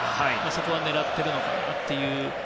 そこを狙っているのかなと。